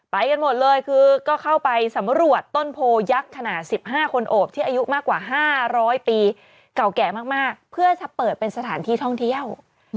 ไปกันหมดเลยคือก็เข้าไปสำรวจต้นโพยักษ์ขนาด๑๕คนโอบที่อายุมากกว่า๕๐๐ปีเก่าแก่มากเพื่อจะเปิดเป็นสถานที่ท่องเที่ยว